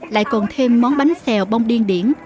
lại còn thêm món bánh xèo bông điên điển